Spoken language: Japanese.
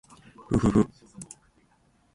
ふふふ